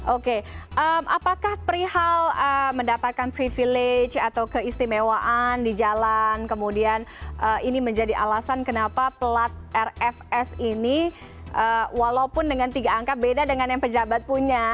oke apakah perihal mendapatkan privilege atau keistimewaan di jalan kemudian ini menjadi alasan kenapa pelat rfs ini walaupun dengan tiga angka beda dengan yang pejabat punya